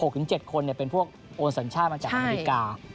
๖๗คนเป็นพวกโอนสัญชาติมาจากอเมริกา